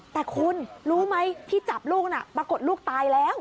แต่คุณรู้ไหมที่จับลูกน่ะปรากฏลูกตายแล้ว